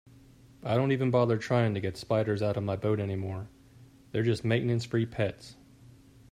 I don't even bother trying to get spiders out of my boat anymore, they're just maintenance-free pets.